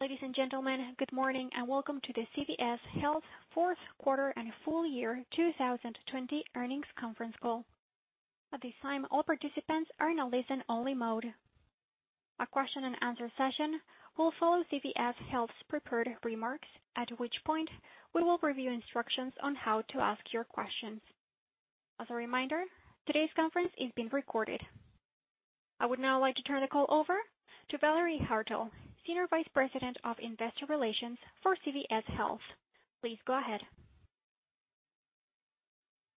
Ladies and gentlemen, good morning. Welcome to the CVS Health Fourth Quarter and Full-Year 2020 Earnings Conference Call. At this time, all participants are in a listen-only mode. A question-and-answer session will follow CVS Health's prepared remarks, at which point we will review instructions on how to ask your questions. As a reminder, today's conference is being recorded. I would now like to turn the call over to Valerie Haertel, Senior Vice President of Investor Relations for CVS Health. Please go ahead.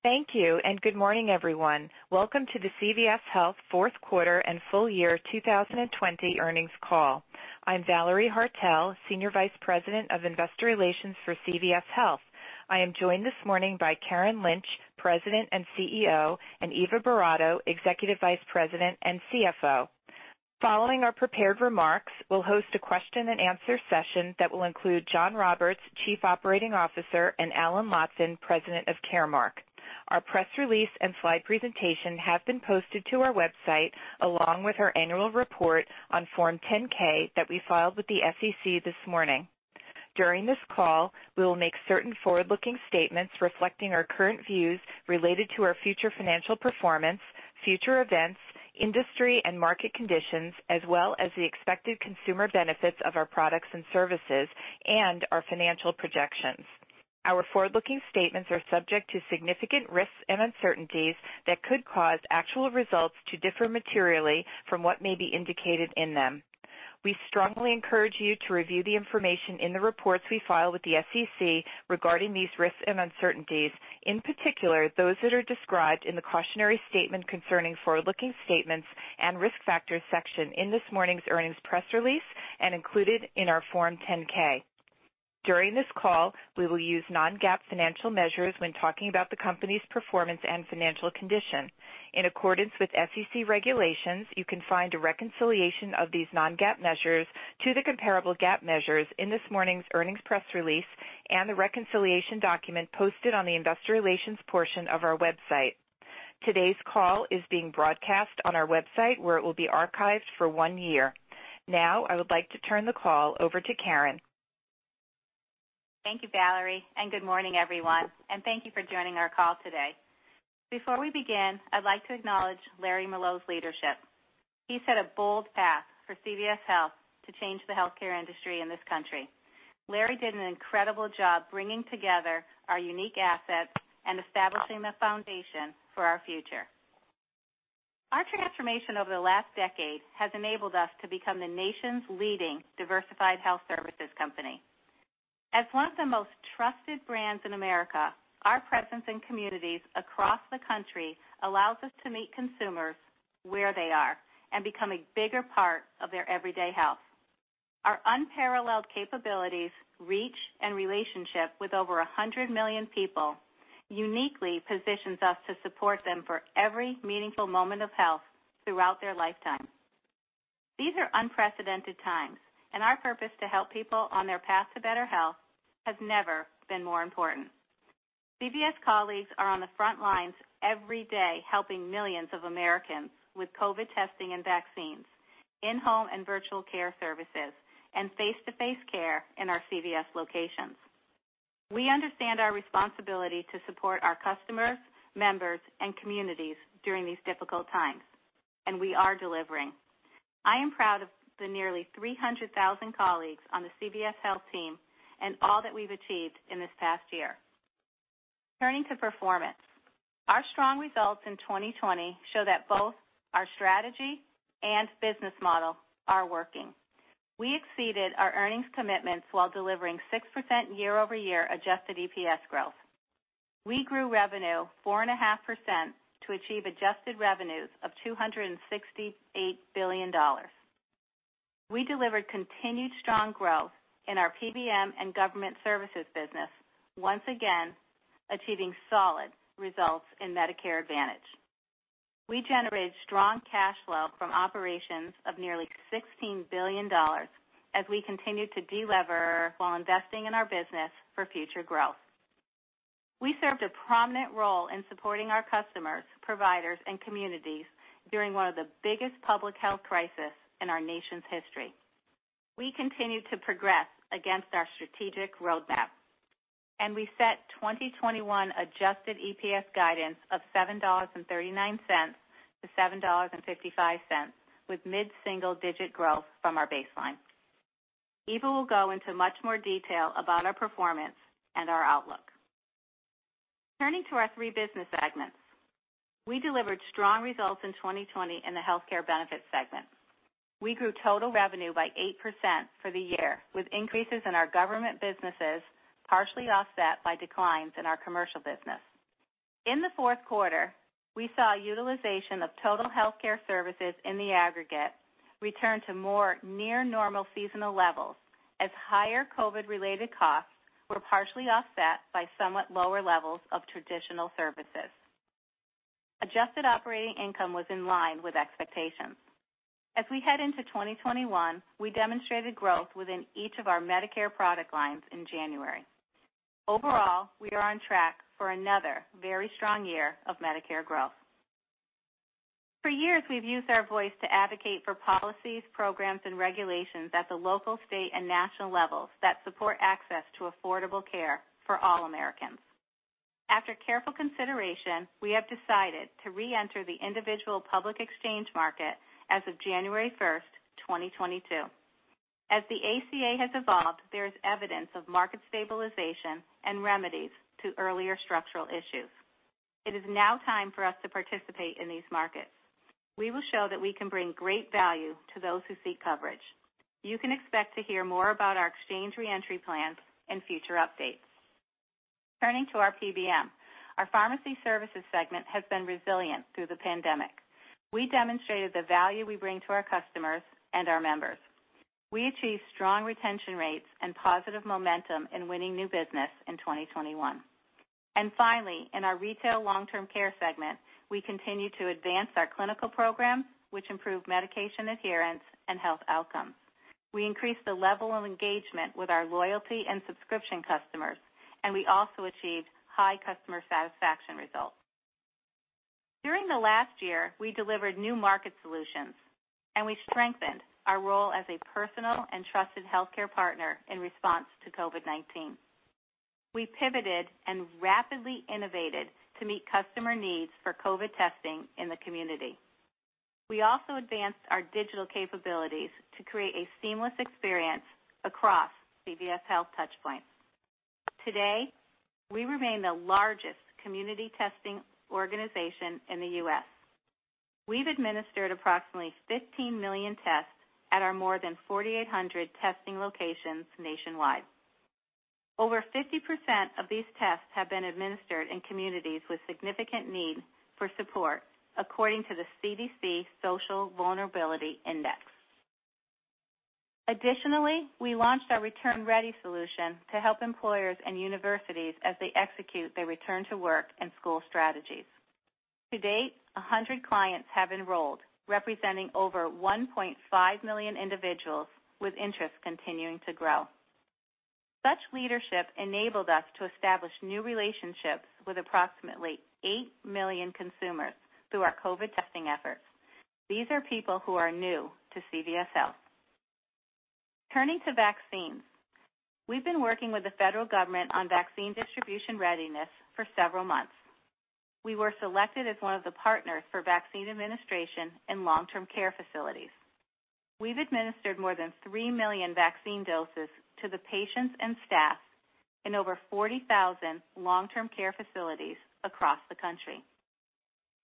Thank you, good morning, everyone. Welcome to the CVS Health Fourth Quarter and Full-Year 2020 Earnings Call. I'm Valerie Haertel, Senior Vice President of Investor Relations for CVS Health. I am joined this morning by Karen Lynch, President and CEO, and Eva Boratto, Executive Vice President and CFO. Following our prepared remarks, we'll host a question-and-answer session that will include Jon Roberts, Chief Operating Officer, and Alan Lotvin, President of Caremark. Our press release and slide presentation have been posted to our website, along with our annual report on Form 10-K that we filed with the SEC this morning. During this call, we will make certain forward-looking statements reflecting our current views related to our future financial performance, future events, industry and market conditions, as well as the expected consumer benefits of our products and services and our financial projections. Our forward-looking statements are subject to significant risks and uncertainties that could cause actual results to differ materially from what may be indicated in them. We strongly encourage you to review the information in the reports we file with the SEC regarding these risks and uncertainties. In particular, those that are described in the cautionary statement concerning forward-looking statements and risk factors section in this morning's earnings press release and included in our Form 10-K. During this call, we will use non-GAAP financial measures when talking about the company's performance and financial condition. In accordance with SEC regulations, you can find a reconciliation of these non-GAAP measures to the comparable GAAP measures in this morning's earnings press release and the reconciliation document posted on the investor relations portion of our website. Today's call is being broadcast on our website, where it will be archived for one year. Now, I would like to turn the call over to Karen. Thank you, Valerie, and good morning, everyone, and thank you for joining our call today. Before we begin, I'd like to acknowledge Larry Merlo's leadership. He set a bold path for CVS Health to change the healthcare industry in this country. Larry did an incredible job bringing together our unique assets and establishing the foundation for our future. Our transformation over the last decade has enabled us to become the nation's leading diversified health services company. As one of the most trusted brands in America, our presence in communities across the country allows us to meet consumers where they are and become a bigger part of their everyday health. Our unparalleled capabilities, reach, and relationship with over 100 million people uniquely positions us to support them for every meaningful moment of health throughout their lifetime. These are unprecedented times, and our purpose to help people on their path to better health has never been more important. CVS colleagues are on the front lines every day, helping millions of Americans with COVID testing and vaccines, in-home and virtual care services, and face-to-face care in our CVS locations. We understand our responsibility to support our customers, members, and communities during these difficult times, and we are delivering. I am proud of the nearly 300,000 colleagues on the CVS Health team and all that we've achieved in this past year. Turning to performance. Our strong results in 2020 show that both our strategy and business model are working. We exceeded our earnings commitments while delivering 6% year-over-year adjusted EPS growth. We grew revenue 4.5% to achieve adjusted revenues of $268 billion. We delivered continued strong growth in our PBM and government services business, once again, achieving solid results in Medicare Advantage. We generated strong cash flow from operations of nearly $16 billion as we continued to delever while investing in our business for future growth. We served a prominent role in supporting our customers, providers, and communities during one of the biggest public health crisis in our nation's history. We continue to progress against our strategic roadmap, and we set 2021 adjusted EPS guidance of $7.39-$7.55, with mid-single-digit growth from our baseline. Eva will go into much more detail about our performance and our outlook. Turning to our three business segments. We delivered strong results in 2020 in the Health Care Benefits segment. We grew total revenue by 8% for the year, with increases in our government businesses partially offset by declines in our commercial business. In the fourth quarter, we saw utilization of total healthcare services in the aggregate return to more near normal seasonal levels as higher COVID-related costs were partially offset by somewhat lower levels of traditional services. Adjusted operating income was in line with expectations. We head into 2021, we demonstrated growth within each of our Medicare product lines in January. Overall, we are on track for another very strong year of Medicare growth. For years, we've used our voice to advocate for policies, programs, and regulations at the local, state, and national levels that support access to affordable care for all Americans. After careful consideration, we have decided to reenter the individual public exchange market as of January 1st, 2022. The ACA has evolved, there is evidence of market stabilization and remedies to earlier structural issues. It is now time for us to participate in these markets. We will show that we can bring great value to those who seek coverage. You can expect to hear more about our exchange reentry plans in future updates. Turning to our PBM, our pharmacy services segment has been resilient through the pandemic. We demonstrated the value we bring to our customers and our members. We achieved strong retention rates and positive momentum in winning new business in 2021. Finally, in our retail long-term care segment, we continue to advance our clinical programs, which improve medication adherence and health outcomes. We increased the level of engagement with our loyalty and subscription customers, and we also achieved high customer satisfaction results. During the last year, we delivered new market solutions, and we strengthened our role as a personal and trusted healthcare partner in response to COVID-19. We pivoted and rapidly innovated to meet customer needs for COVID testing in the community. We also advanced our digital capabilities to create a seamless experience across CVS Health touchpoints. Today, we remain the largest community testing organization in the U.S. We've administered approximately 15 million tests at our more than 4,800 testing locations nationwide. Over 50% of these tests have been administered in communities with significant need for support, according to the CDC Social Vulnerability Index. Additionally, we launched our Return Ready solution to help employers and universities as they execute their return-to-work and school strategies. To date, 100 clients have enrolled, representing over 1.5 million individuals, with interest continuing to grow. Such leadership enabled us to establish new relationships with approximately eight million consumers through our COVID testing efforts. These are people who are new to CVS Health. Turning to vaccines, we've been working with the federal government on vaccine distribution readiness for several months. We were selected as one of the partners for vaccine administration in long-term care facilities. We've administered more than 3 million vaccine doses to the patients and staff in over 40,000 long-term care facilities across the country.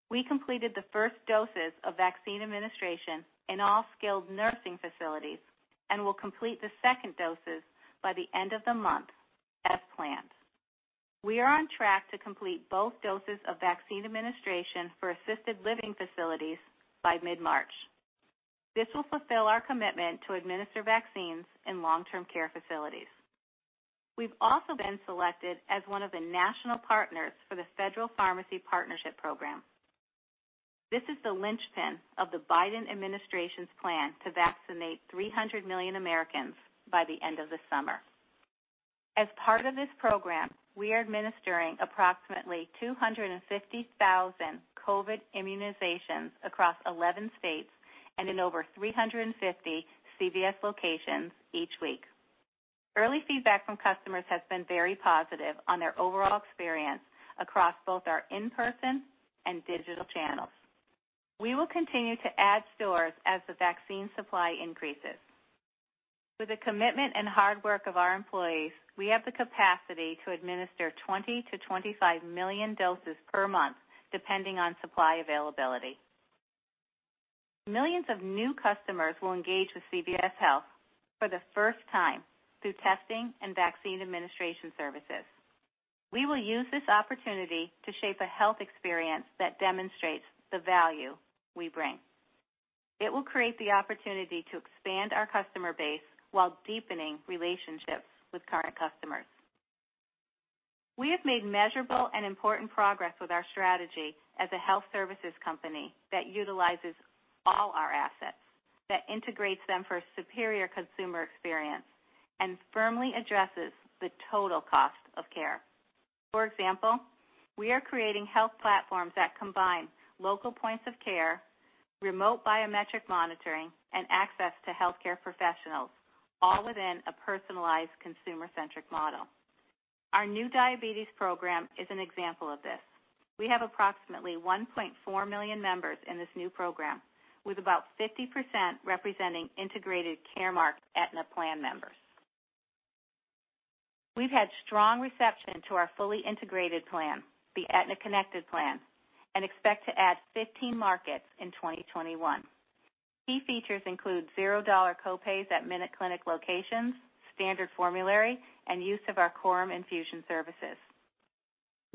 We completed the first doses of vaccine administration in all skilled nursing facilities and will complete the second doses by the end of the month as planned. We are on track to complete both doses of vaccine administration for assisted living facilities by mid-March. This will fulfill our commitment to administer vaccines in long-term care facilities. We've also been selected as one of the national partners for the Federal Retail Pharmacy Program. This is the linchpin of the Biden administration's plan to vaccinate 300 million Americans by the end of the summer. As part of this program, we are administering approximately 250,000 COVID immunizations across 11 states and in over 350 CVS locations each week. Early feedback from customers has been very positive on their overall experience across both our in-person and digital channels. We will continue to add stores as the vaccine supply increases. Through the commitment and hard work of our employees, we have the capacity to administer 20 million to 25 million doses per month, depending on supply availability. Millions of new customers will engage with CVS Health for the first time through testing and vaccine administration services. We will use this opportunity to shape a health experience that demonstrates the value we bring. It will create the opportunity to expand our customer base while deepening relationships with current customers. We have made measurable and important progress with our strategy as a health services company that utilizes all our assets, that integrates them for a superior consumer experience, and firmly addresses the total cost of care. For example, we are creating health platforms that combine local points of care, remote biometric monitoring, and access to healthcare professionals, all within a personalized consumer-centric model. Our new diabetes program is an example of this. We have approximately 1.4 million members in this new program, with about 50% representing integrated Caremark Aetna plan members. We've had strong reception to our fully integrated plan, the Aetna Connected Plan, and expect to add 15 markets in 2021. Key features include $0 copays at MinuteClinic locations, standard formulary, and use of our Coram infusion services.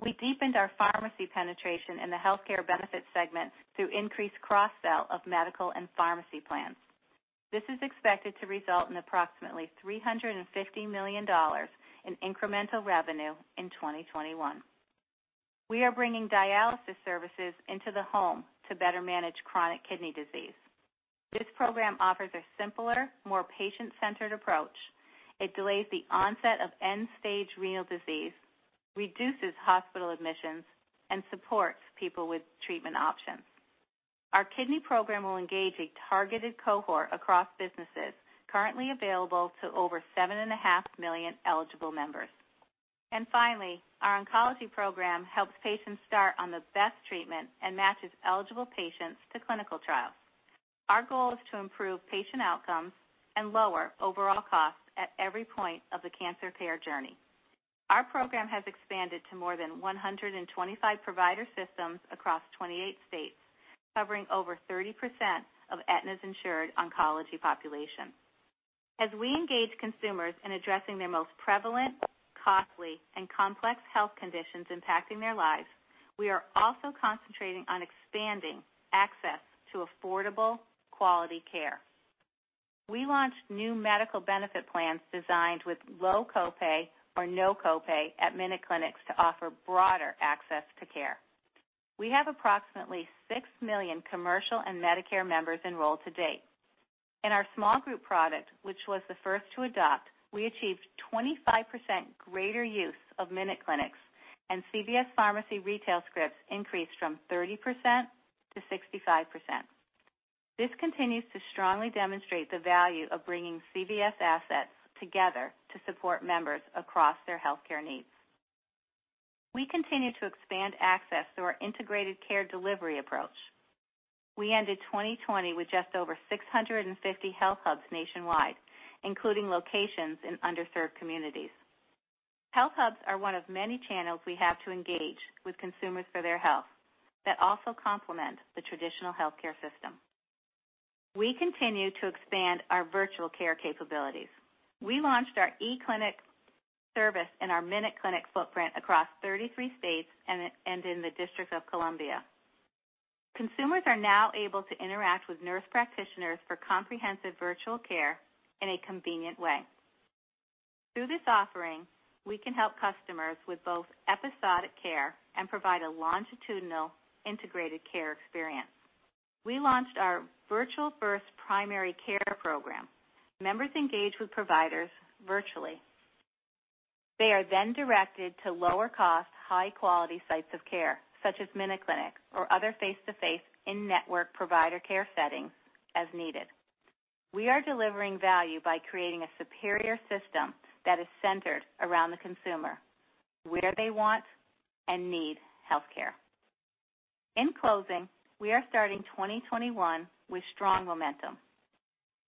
We deepened our pharmacy penetration in the healthcare benefits segment through increased cross-sell of medical and pharmacy plans. This is expected to result in approximately $350 million in incremental revenue in 2021. We are bringing dialysis services into the home to better manage chronic kidney disease. This program offers a simpler, more patient-centered approach. It delays the onset of end-stage renal disease, reduces hospital admissions, and supports people with treatment options. Our kidney program will engage a targeted cohort across businesses currently available to over 7.5 million eligible members. Finally, our oncology program helps patients start on the best treatment and matches eligible patients to clinical trials. Our goal is to improve patient outcomes and lower overall costs at every point of the cancer care journey. Our program has expanded to more than 125 provider systems across 28 states, covering over 30% of Aetna's insured oncology population. As we engage consumers in addressing their most prevalent, costly, and complex health conditions impacting their lives, we are also concentrating on expanding access to affordable, quality care. We launched new medical benefit plans designed with low copay or no copay at MinuteClinic to offer broader access to care. We have approximately 6 million commercial and Medicare members enrolled to date. In our small group product, which was the first to adopt, we achieved 25% greater use of MinuteClinic, and CVS Pharmacy retail scripts increased from 30% to 65%. This continues to strongly demonstrate the value of bringing CVS assets together to support members across their healthcare needs. We continue to expand access through our integrated care delivery approach. We ended 2020 with just over 650 HealthHUBs nationwide, including locations in underserved communities. HealthHUBs are one of many channels we have to engage with consumers for their health that also complement the traditional healthcare system. We continue to expand our virtual care capabilities. We launched our E-Clinic service in our MinuteClinic footprint across 33 states and in the District of Columbia. Consumers are now able to interact with nurse practitioners for comprehensive virtual care in a convenient way. Through this offering, we can help customers with both episodic care and provide a longitudinal integrated care experience. We launched our virtual first primary care program. Members engage with providers virtually. They are then directed to lower-cost, high-quality sites of care, such as MinuteClinics or other face-to-face in network provider care settings as needed. We are delivering value by creating a superior system that is centered around the consumer, where they want and need healthcare. In closing, we are starting 2021 with strong momentum.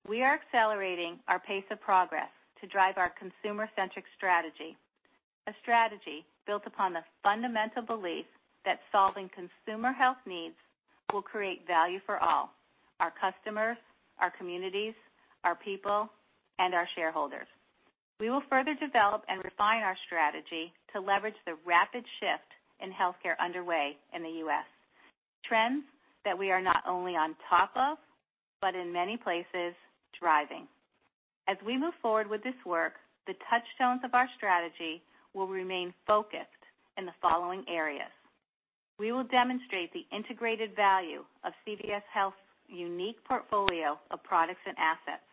We are accelerating our pace of progress to drive our consumer-centric strategy, a strategy built upon the fundamental belief that solving consumer health needs will create value for all, our customers, our communities, our people, and our shareholders. We will further develop and refine our strategy to leverage the rapid shift in healthcare underway in the U.S., trends that we are not only on top of, but in many places thriving. As we move forward with this work, the touchstones of our strategy will remain focused in the following areas. We will demonstrate the integrated value of CVS Health's unique portfolio of products and assets.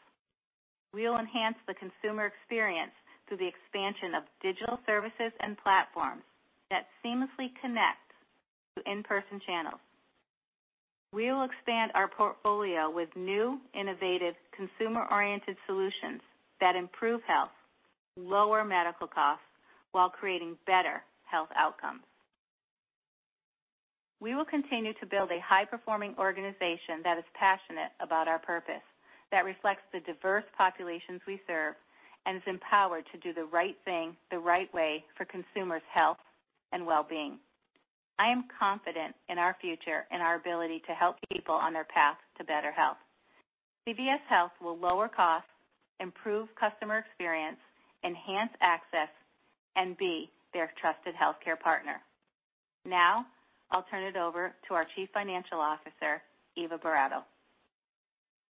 We will enhance the consumer experience through the expansion of digital services and platforms that seamlessly connect to in-person channels. We will expand our portfolio with new, innovative, consumer-oriented solutions that improve health, lower medical costs while creating better health outcomes. We will continue to build a high-performing organization that is passionate about our purpose, that reflects the diverse populations we serve, and is empowered to do the right thing the right way for consumers' health and well-being. I am confident in our future and our ability to help people on their path to better health. CVS Health will lower costs, improve customer experience, enhance access, and be their trusted healthcare partner. Now, I'll turn it over to our Chief Financial Officer, Eva Boratto.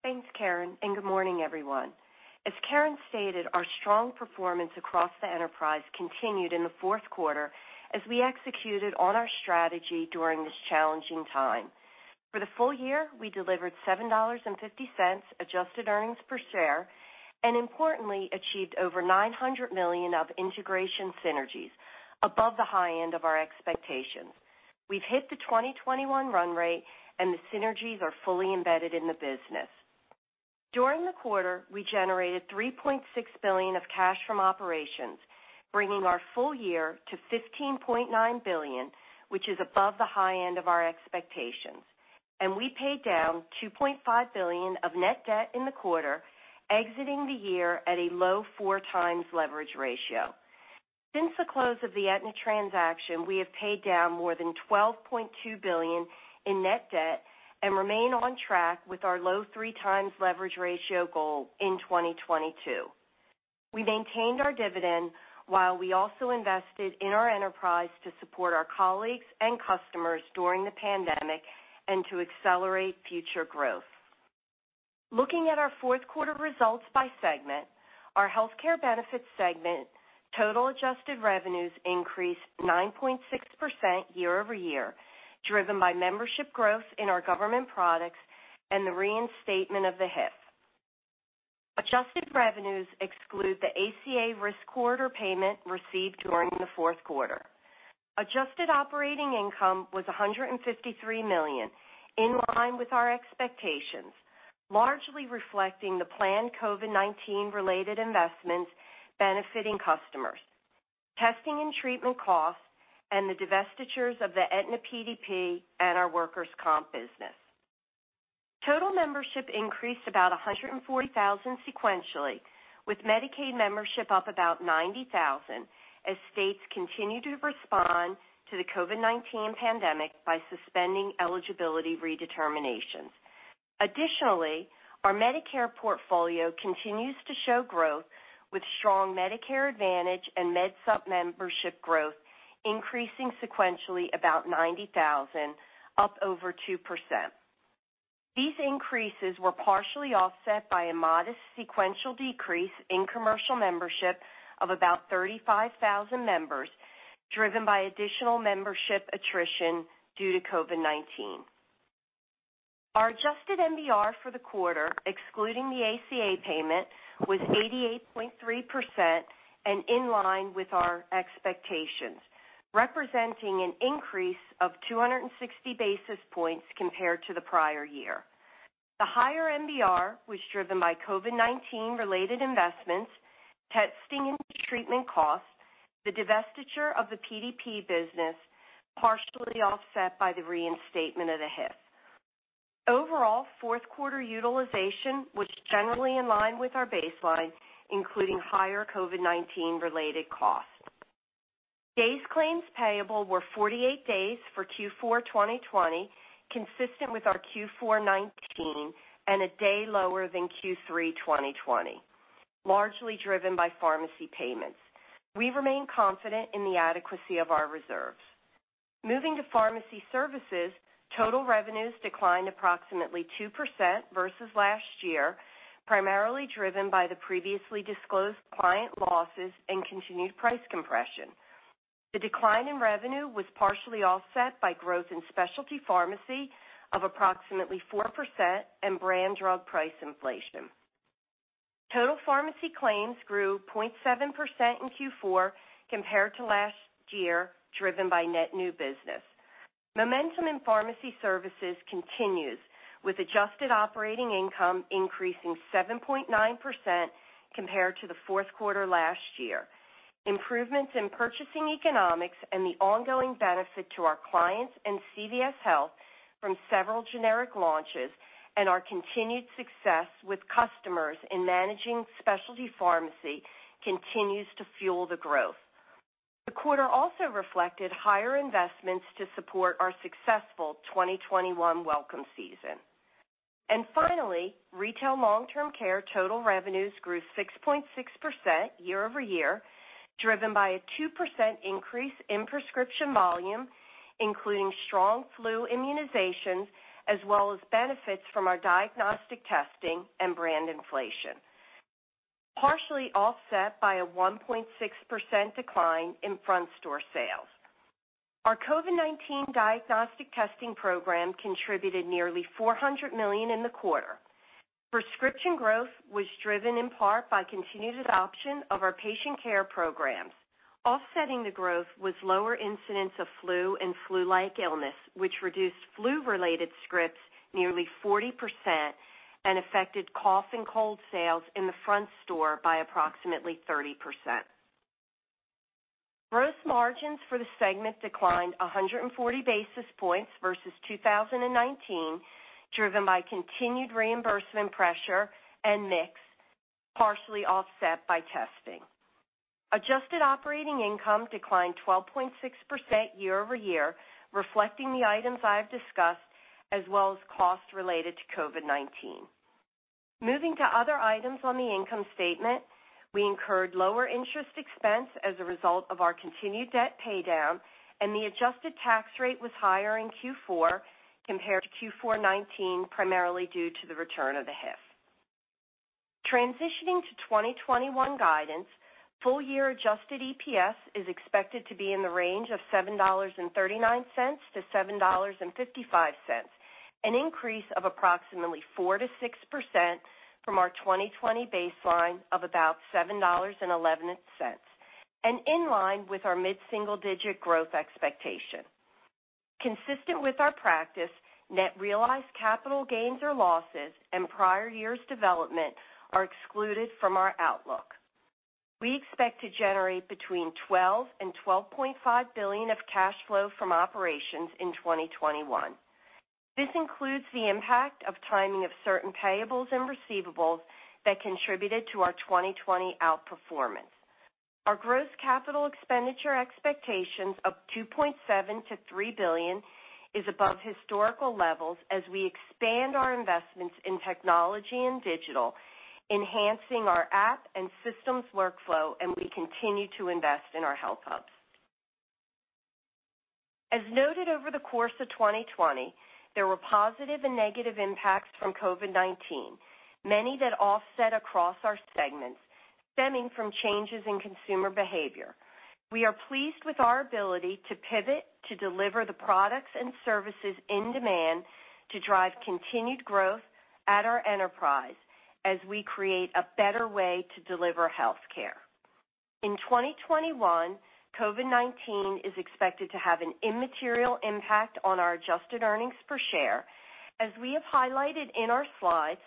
Thanks, Karen, and good morning, everyone. As Karen stated, our strong performance across the enterprise continued in the fourth quarter as we executed on our strategy during this challenging time. For the full-year, we delivered $7.50 adjusted EPS and importantly achieved over $900 million of integration synergies above the high end of our expectations. We've hit the 2021 run rate, and the synergies are fully embedded in the business. During the quarter, we generated $3.6 billion of cash from operations, bringing our full-year to $15.9 billion, which is above the high end of our expectations. We paid down $2.5 billion of net debt in the quarter, exiting the year at a low four times leverage ratio. Since the close of the Aetna transaction, we have paid down more than $12.2 billion in net debt and remain on track with our low 3x leverage ratio goal in 2022. We maintained our dividend while we also invested in our enterprise to support our colleagues and customers during the pandemic and to accelerate future growth. Looking at our fourth quarter results by segment. Our Health Care Benefits segment total adjusted revenues increased 9.6% year-over-year, driven by membership growth in our government products and the reinstatement of the HIF. Adjusted revenues exclude the ACA risk corridor payment received during the fourth quarter. Adjusted operating income was $153 million, in line with our expectations, largely reflecting the planned COVID-19 related investments benefiting customers, testing and treatment costs, and the divestitures of the Aetna PDP and our workers' comp business. Total membership increased about 140,000 sequentially, with Medicaid membership up about 90,000 as states continue to respond to the COVID-19 pandemic by suspending eligibility redeterminations. Our Medicare portfolio continues to show growth, with strong Medicare Advantage and Med Supp membership growth increasing sequentially about 90,000, up over 2%. These increases were partially offset by a modest sequential decrease in commercial membership of about 35,000 members, driven by additional membership attrition due to COVID-19. Our adjusted MBR for the quarter, excluding the ACA payment, was 88.3% and in line with our expectations, representing an increase of 260 basis points compared to the prior year. The higher MBR was driven by COVID-19 related investments, testing and treatment costs, the divestiture of the PDP business, partially offset by the reinstatement of the HIF. Overall, fourth quarter utilization was generally in line with our baseline, including higher COVID-19 related costs. Days claims payable were 48 days for Q4 2020, consistent with our Q4 2019, and a day lower than Q3 2020, largely driven by pharmacy payments. We remain confident in the adequacy of our reserves. Moving to pharmacy services, total revenues declined approximately 2% versus last year, primarily driven by the previously disclosed client losses and continued price compression. The decline in revenue was partially offset by growth in specialty pharmacy of approximately 4% and brand drug price inflation. Total pharmacy claims grew 0.7% in Q4 compared to last year, driven by net new business. Momentum in pharmacy services continues, with adjusted operating income increasing 7.9% compared to the fourth quarter last year. Improvements in purchasing economics and the ongoing benefit to our clients and CVS Health from several generic launches and our continued success with customers in managing specialty pharmacy continues to fuel the growth. The quarter also reflected higher investments to support our successful 2021 welcome season. Finally, retail long-term care total revenues grew 6.6% year-over-year, driven by a 2% increase in prescription volume, including strong flu immunizations, as well as benefits from our diagnostic testing and brand inflation, partially offset by a 1.6% decline in front store sales. Our COVID-19 diagnostic testing program contributed nearly $400 million in the quarter. Prescription growth was driven in part by continued adoption of our patient care programs. Offsetting the growth was lower incidents of flu and flu-like illness, which reduced flu-related scripts nearly 40% and affected cough and cold sales in the front store by approximately 30%. Gross margins for the segment declined 140 basis points versus 2019, driven by continued reimbursement pressure and mix, partially offset by testing. Adjusted operating income declined 12.6% year-over-year, reflecting the items I have discussed, as well as costs related to COVID-19. Moving to other items on the income statement, we incurred lower interest expense as a result of our continued debt paydown, and the adjusted tax rate was higher in Q4 compared to Q4 2019, primarily due to the return of the HIF. Transitioning to 2021 guidance, full-year adjusted EPS is expected to be in the range of $7.39-$7.55, an increase of approximately 4%-6% from our 2020 baseline of about $7.11, and in line with our mid-single-digit growth expectation. Consistent with our practice, net realized capital gains or losses and prior year's development are excluded from our outlook. We expect to generate between $12 billion and $12.5 billion of cash flow from operations in 2021. This includes the impact of timing of certain payables and receivables that contributed to our 2020 outperformance. Our gross capital expenditure expectations of $2.7 billion-$3 billion is above historical levels as we expand our investments in technology and digital, enhancing our app and systems workflow, and we continue to invest in our HealthHUBs. as noted over the course of 2020, there were positive and negative impacts from COVID-19, many that offset across our segments stemming from changes in consumer behavior. We are pleased with our ability to pivot to deliver the products and services in demand to drive continued growth at our enterprise as we create a better way to deliver healthcare. In 2021, COVID-19 is expected to have an immaterial impact on our adjusted earnings per share. As we have highlighted in our slides,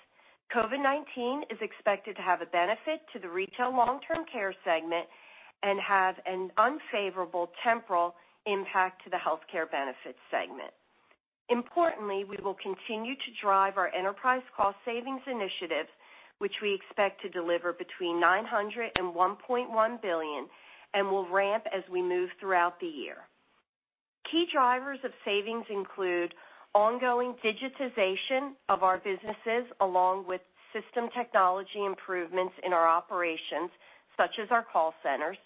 COVID-19 is expected to have a benefit to the Retail Long-Term Care segment and have an unfavorable temporal impact to the Healthcare Benefits segment. We will continue to drive our enterprise cost savings initiatives, which we expect to deliver between $900 million and $1.1 billion and will ramp as we move throughout the year. Key drivers of savings include ongoing digitization of our businesses along with system technology improvements in our operations such as our call centers,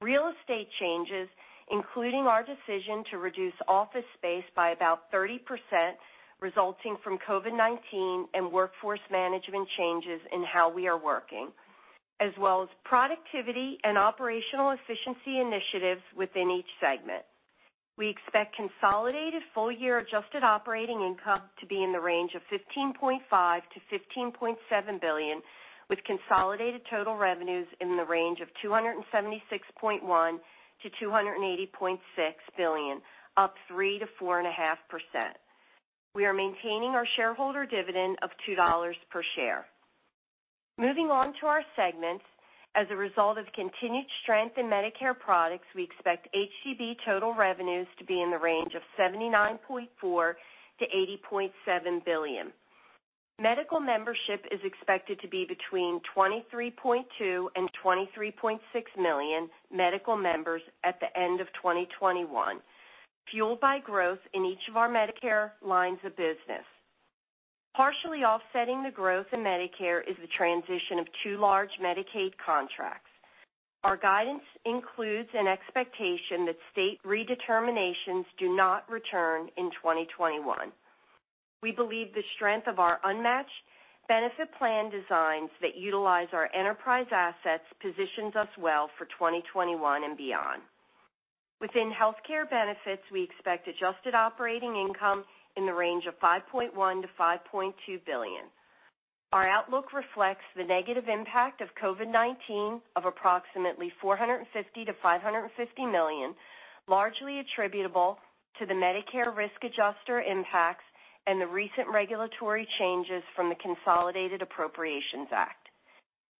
real estate changes, including our decision to reduce office space by about 30%, resulting from COVID-19 and workforce management changes in how we are working, as well as productivity and operational efficiency initiatives within each segment. We expect consolidated full-year adjusted operating income to be in the range of $15.5 billion-$15.7 billion, with consolidated total revenues in the range of $276.1 billion-$280.6 billion, up 3%-4.5%. We are maintaining our shareholder dividend of $2 per share. Moving on to our segments. As a result of continued strength in Medicare products, we expect HCB total revenues to be in the range of $79.4 billion-$80.7 billion. Medical membership is expected to be between 23.2 million and 23.6 million medical members at the end of 2021, fueled by growth in each of our Medicare lines of business. Partially offsetting the growth in Medicare is the transition of two large Medicaid contracts. Our guidance includes an expectation that state redeterminations do not return in 2021. We believe the strength of our unmatched benefit plan designs that utilize our enterprise assets positions us well for 2021 and beyond. Within healthcare benefits, we expect adjusted operating income in the range of $5.1 billion-$5.2 billion. Our outlook reflects the negative impact of COVID-19 of approximately $450 million to $550 million, largely attributable to the Medicare risk adjuster impacts and the recent regulatory changes from the Consolidated Appropriations Act.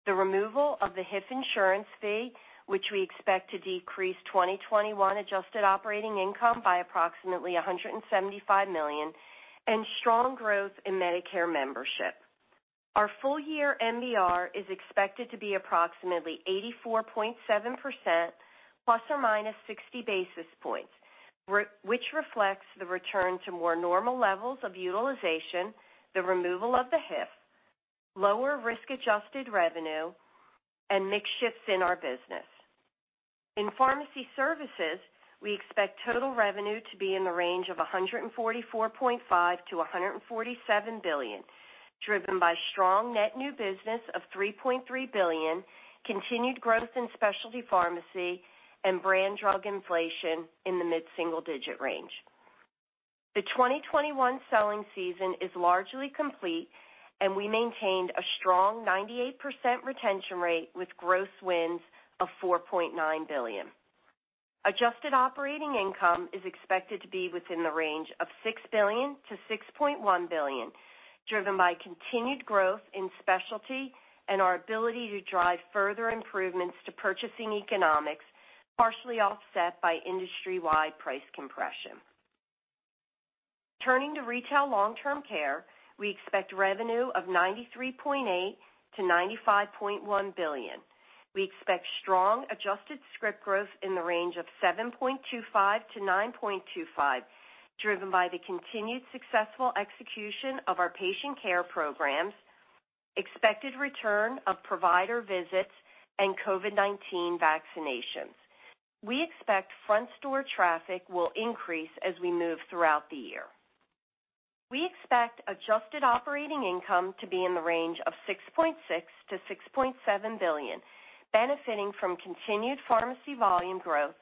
The removal of the HIF insurance fee, which we expect to decrease 2021 adjusted operating income by approximately $175 million, and strong growth in Medicare membership. Our full-year MBR is expected to be approximately 84.7%, ±60 basis points, which reflects the return to more normal levels of utilization, the removal of the HIF, lower risk-adjusted revenue, and mix shifts in our business. In pharmacy services, we expect total revenue to be in the range of $144.5 billion-$147 billion, driven by strong net new business of $3.3 billion, continued growth in specialty pharmacy, and brand drug inflation in the mid-single-digit range. We maintained a strong 98% retention rate with gross wins of $4.9 billion. Adjusted operating income is expected to be within the range of $6 billion-$6.1 billion, driven by continued growth in specialty and our ability to drive further improvements to purchasing economics, partially offset by industry-wide price compression. Turning to Retail Long-Term Care, we expect revenue of $93.8 billion-$95.1 billion. We expect strong adjusted script growth in the range of 7.25%-9.25%, driven by the continued successful execution of our patient care programs, expected return of provider visits, and COVID-19 vaccinations. We expect front-store traffic will increase as we move throughout the year. We expect adjusted operating income to be in the range of $6.6 billion-$6.7 billion, benefiting from continued pharmacy volume growth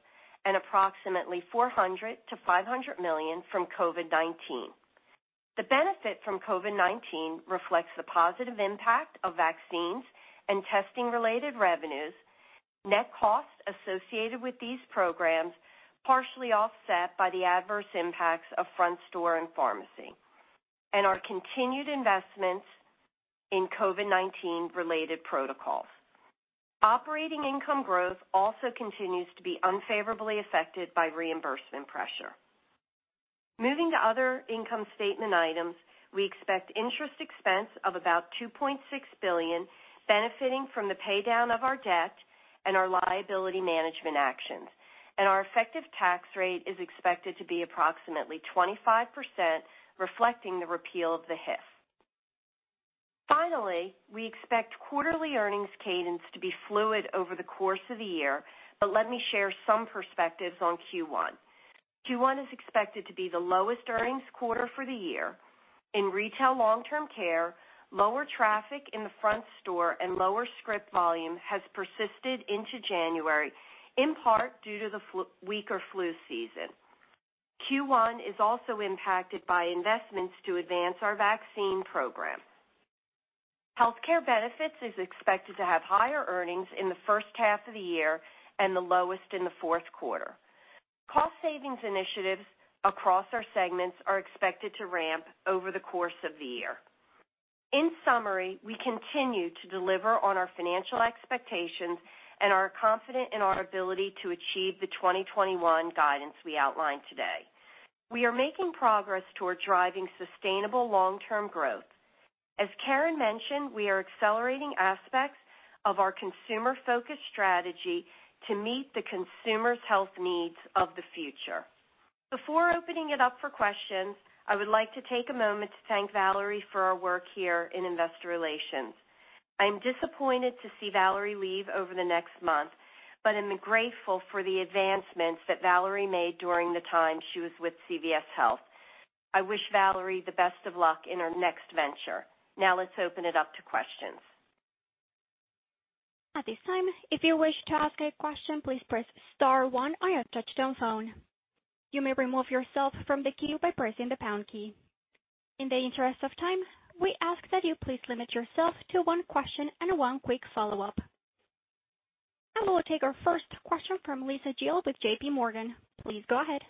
and approximately $400 million to $500 million from COVID-19. The benefit from COVID-19 reflects the positive impact of vaccines and testing-related revenues, net costs associated with these programs, partially offset by the adverse impacts of front store and pharmacy, and our continued investments in COVID-19 related protocols. Operating income growth also continues to be unfavorably affected by reimbursement pressure. Moving to other income statement items, we expect interest expense of about $2.6 billion, benefiting from the paydown of our debt and our liability management actions. Our effective tax rate is expected to be approximately 25%, reflecting the repeal of the HIF. Finally, we expect quarterly earnings cadence to be fluid over the course of the year, but let me share some perspectives on Q1. Q1 is expected to be the lowest earnings quarter for the year. In retail long-term care, lower traffic in the front store and lower script volume has persisted into January, in part due to the weaker flu season. Q1 is also impacted by investments to advance our vaccine program. Health Care Benefits is expected to have higher earnings in the first half of the year and the lowest in the fourth quarter. Cost savings initiatives across our segments are expected to ramp over the course of the year. In summary, we continue to deliver on our financial expectations and are confident in our ability to achieve the 2021 guidance we outlined today. We are making progress toward driving sustainable long-term growth. As Karen mentioned, we are accelerating aspects of our consumer-focused strategy to meet the consumer's health needs of the future. Before opening it up for questions, I would like to take a moment to thank Valerie for her work here in investor relations. I'm disappointed to see Valerie leave over the next month, but am grateful for the advancements that Valerie made during the time she was with CVS Health. I wish Valerie the best of luck in her next venture. Now let's open it up to questions. At this time, if you wish to ask a question, please press star one on your touch-tone phone. You may remove yourself from the queue by pressing the pound key. In the interest of time, we ask that you please limit yourself to one question and one quick follow-up. We'll take our first question from Lisa Gill with JPMorgan. Please go ahead.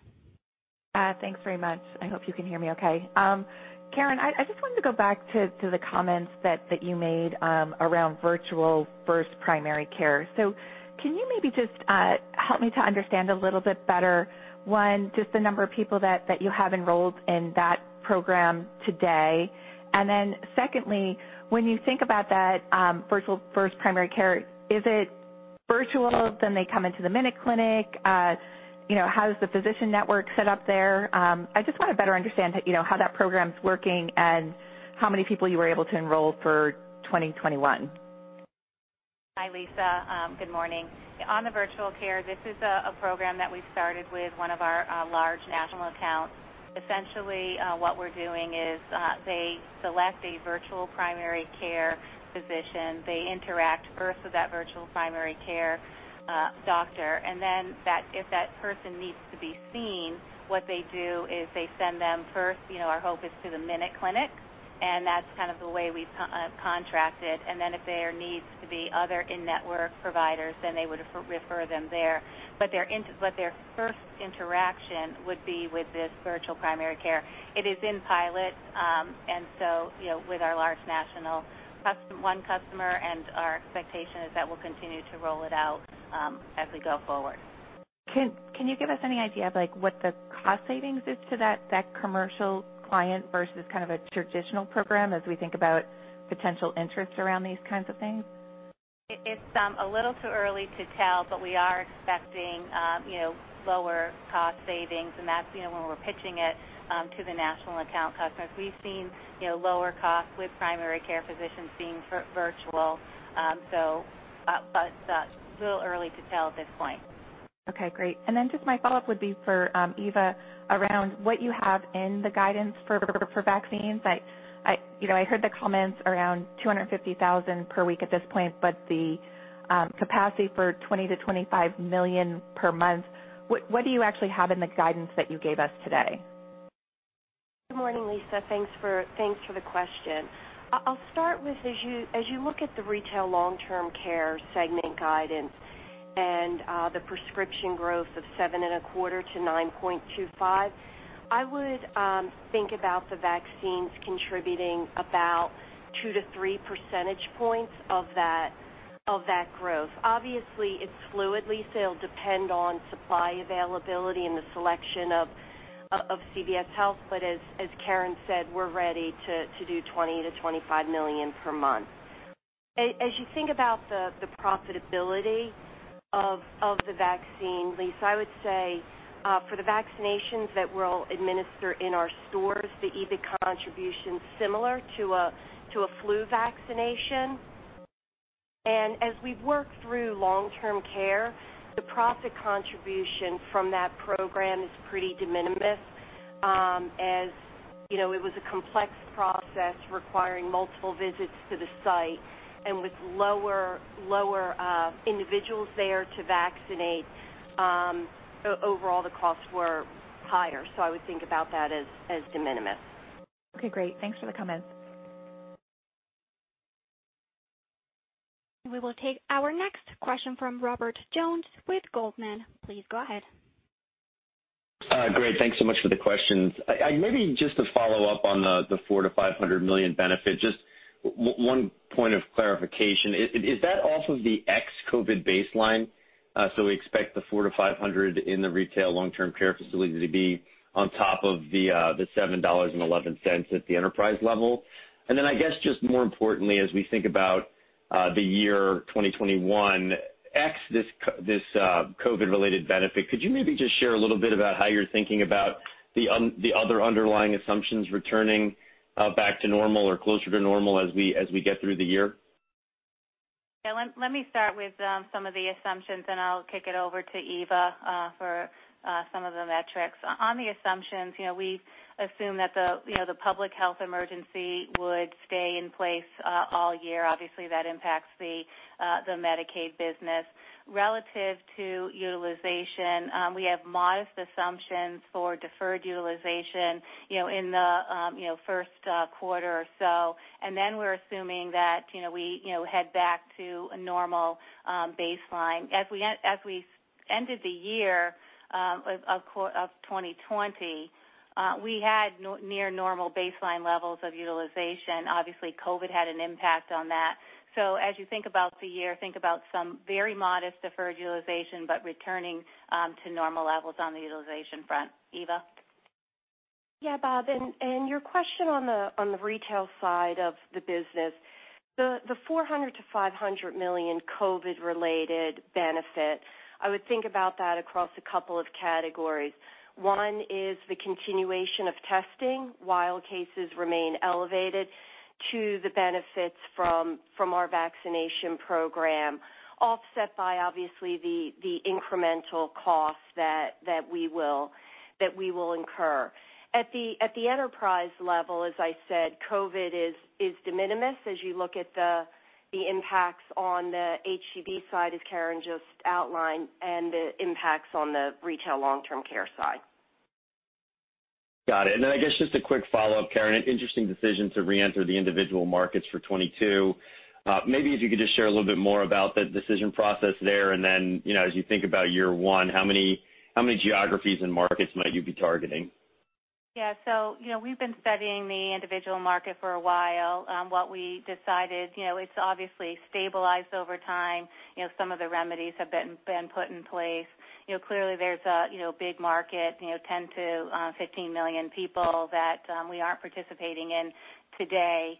Thanks very much. I hope you can hear me okay. Karen, I just wanted to go back to the comments that you made around Virtual First Primary Care. Can you maybe just help me to understand a little bit better, one, just the number of people that you have enrolled in that program today? Secondly, when you think about that Virtual First Primary Care, is it virtual, then they come into the MinuteClinic? How's the physician network set up there? I just want to better understand how that program's working and how many people you were able to enroll for 2021. Hi, Lisa. Good morning. On the virtual care, this is a program that we started with one of our large national accounts. Essentially, what we're doing is, they select a virtual primary care physician. They interact first with that virtual primary care doctor, and then if that person needs to be seen, what they do is they send them first, our hope is to the MinuteClinic, and that's kind of the way we've contracted. Then if there needs to be other in-network providers, then they would refer them there. Their first interaction would be with this virtual primary care. It is in pilot, and so, with our large national one customer, and our expectation is that we'll continue to roll it out as we go forward. Can you give us any idea of what the cost savings is to that commercial client versus kind of a traditional program as we think about potential interest around these kinds of things? It's a little too early to tell, but we are expecting lower cost savings, and that's when we're pitching it to the national account customers. We've seen lower costs with primary care physicians being virtual, but it's a little early to tell at this point. Okay, great. Just my follow-up would be for Eva around what you have in the guidance for vaccines. I heard the comments around 250,000 per week at this point, but the capacity for 20 to 25 million per month, what do you actually have in the guidance that you gave us today? Good morning, Lisa. Thanks for the question. I'll start with, as you look at the retail long-term care segment guidance and the prescription growth of 7.25%-9.25%, I would think about the vaccines contributing about two to three % points of that growth. Obviously, it's fluidly, so it'll depend on supply availability and the selection of CVS Health, but as Karen said, we're ready to do $20 million to $25 million per month. As you think about the profitability of the vaccine, Lisa, I would say for the vaccinations that we'll administer in our stores, the EBIT contribution's similar to a flu vaccination. As we work through long-term care, the profit contribution from that program is pretty de minimis. As you know, it was a complex process requiring multiple visits to the site, and with lower individuals there to vaccinate, overall the costs were higher. I would think about that as de minimis. Okay, great. Thanks for the comments. We will take our next question from Robert Jones with Goldman Sachs. Please go ahead. Great. Thanks so much for the questions. Maybe just to follow up on the $400 million to $500 million benefit, just one point of clarification. Is that off of the ex-COVID baseline? We expect the $400 million to $500 million in the retail long-term care facility to be on top of the $7.11 at the enterprise level? Then I guess just more importantly, as we think about the year 2021, ex this COVID-related benefit. Could you maybe just share a little bit about how you're thinking about the other underlying assumptions returning back to normal or closer to normal as we get through the year? Yeah, let me start with some of the assumptions, and I'll kick it over to Eva for some of the metrics. On the assumptions, we assume that the public health emergency would stay in place all year. Obviously, that impacts the Medicaid business. Relative to utilization, we have modest assumptions for deferred utilization in the first quarter or so. We're assuming that we head back to a normal baseline. As we ended the year of 2020, we had near normal baseline levels of utilization. Obviously, COVID had an impact on that. As you think about the year, think about some very modest deferred utilization, but returning to normal levels on the utilization front. Eva? Yeah, Bob, and your question on the retail side of the business. The $400 million to $500 million COVID-related benefit, I would think about that across a couple of categories. One is the continuation of testing while cases remain elevated to the benefits from our vaccination program, offset by obviously the incremental cost that we will incur. At the enterprise level, as I said, COVID is de minimis as you look at the impacts on the HCB side, as Karen just outlined, and the impacts on the retail long-term care side. Got it. I guess just a quick follow-up, Karen. Interesting decision to reenter the individual markets for 2022. Maybe if you could just share a little bit more about the decision process there, and then, as you think about year one, how many geographies and markets might you be targeting? Yeah. We've been studying the individual market for a while. What we decided, it's obviously stabilized over time. Some of the remedies have been put in place. Clearly, there's a big market, 10 million to 15 million people that we aren't participating in today.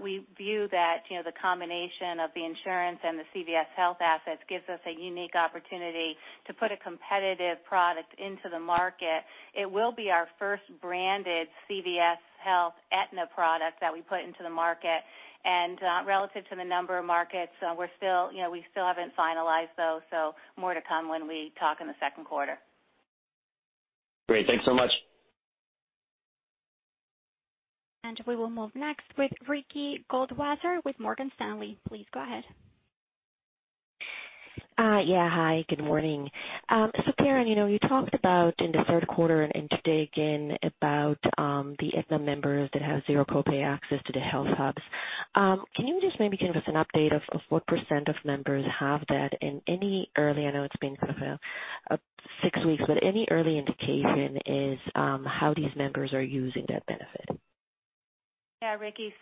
We view that the combination of the insurance and the CVS Health assets gives us a unique opportunity to put a competitive product into the market. It will be our first branded CVS Health Aetna product that we put into the market. Relative to the number of markets, we still haven't finalized those, so more to come when we talk in the second quarter. Great. Thanks so much. We will move next with Ricky Goldwasser with Morgan Stanley. Please go ahead. Yeah, hi, good morning. Karen, you talked about in the third quarter and today again about the Aetna members that have zero copay access to the HealthHUBs. Can you just maybe give us an update of what % of members have that and any early, I know it's been kind of six weeks, but any early indication is how these members are using that benefit? Yeah, Ricky.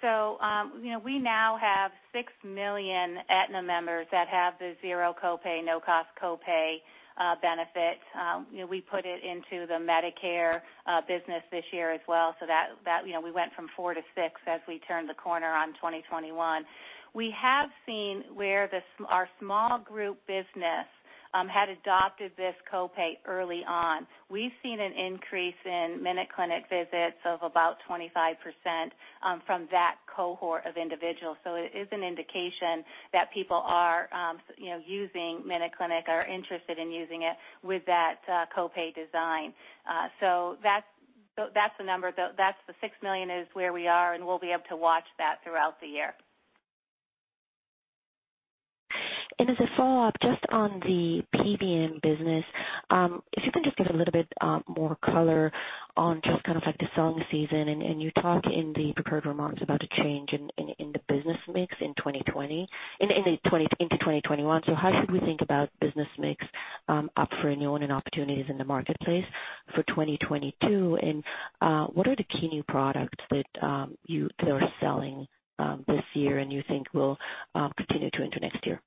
We now have 6 million Aetna members that have the zero copay, no-cost copay benefit. We put it into the Medicare business this year as well. We went from 4 to 6 as we turned the corner on 2021. We have seen where our small group business had adopted this copay early on. We've seen an increase in MinuteClinic visits of about 25% from that cohort of individuals. It is an indication that people are using MinuteClinic, are interested in using it with that copay design. That's the number. The 6 million is where we are, and we'll be able to watch that throughout the year. As a follow-up, just on the PBM business, if you can just give a little bit more color on just kind of like the selling season, and you talked in the prepared remarks about a change in the business mix into 2021. How should we think about business mix up for renewal and opportunities in the marketplace for 2022? What are the key new products that are selling this year and you think will continue to into next year?